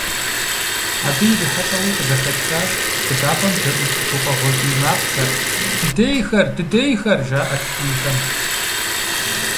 Абы ирихьэлӀэуи къызэхэтхащ быдапӀэм дэӀукӀ гуфӀэгъуэ кӀий макъхэр, «дыдейхэр, дыдейхэр», жаӀэрт кӀийхэм.